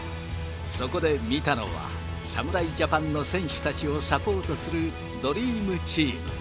そこで見たのは、侍ジャパンの選手たちをサポートするドリームチーム。